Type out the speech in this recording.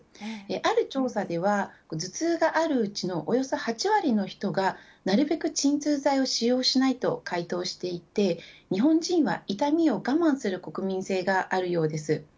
ある調査では頭痛があるうちのおよそ８割の人がなるべく鎮痛剤を使用しないと回答していて日本人は痛みを我慢する国民性があるようです。